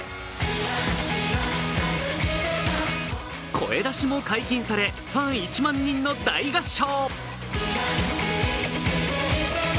声出しも解禁されファン１万人の大合唱。